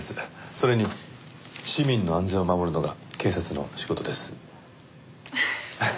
それに市民の安全を守るのが警察の仕事です。